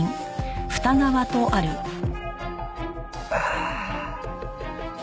ああ！